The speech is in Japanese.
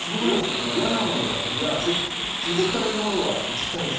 嫌なものは嫌行きたいものは行きたいって。